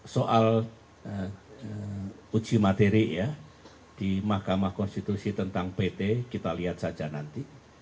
soal uji materi ya di mahkamah konstitusi tentang pt kita lihat saja nanti